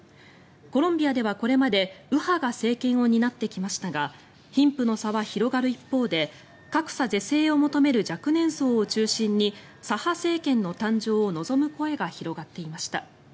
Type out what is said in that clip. コロンビアではこれまで右派が政権を担ってきましたが貧富の差は広がる一方で格差是正を求める若年層を中心に左派政権の誕生を望む声が広がっていました。